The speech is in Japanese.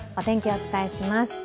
お伝えします。